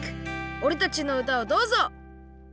おれたちのうたをどうぞ！